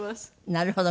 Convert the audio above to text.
なるほど。